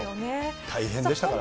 大変でしたから。